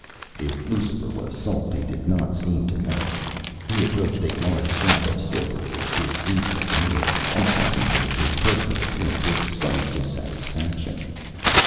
If Lucifer was sold he did not seem to know it. He approached a large slab of silver which did duty as a mirror, and contemplated his personal appearance with some dissatisfaction.